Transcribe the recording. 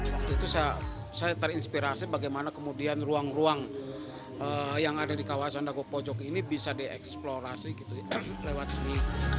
waktu itu saya terinspirasi bagaimana kemudian ruang ruang yang ada di kawasan dago pojok ini bisa dieksplorasi lewat seni